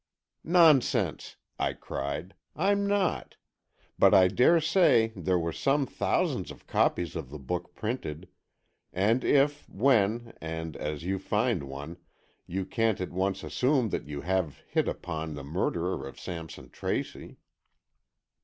"Nonsense!" I cried, "I'm not. But I daresay there were some thousands of copies of the book printed, and if, when and as you find one, you can't at once assume that you have hit upon the murderer of Sampson Tracy."